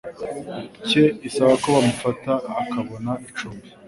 cye isaba ko bamufasha akabona icumbi